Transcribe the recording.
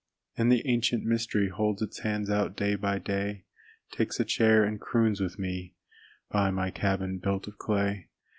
And the ancient mystery Holds its hands out day by day, Takes a chair and croons with me By my cabin built of clay.